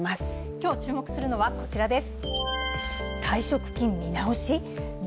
今日、注目するのはこちらです。